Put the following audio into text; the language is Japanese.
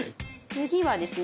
次はですね